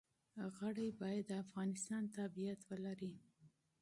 غړي باید د افغانستان تابعیت ولري.